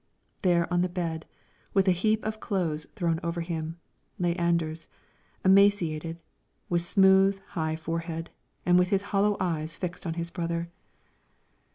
There on the bed, with a heap of clothes thrown over him, lay Anders, emaciated, with smooth, high forehead, and with his hollow eyes fixed on his brother.